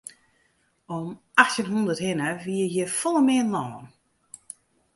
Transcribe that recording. Om achttjin hûndert hinne wie hjir folle mear lân.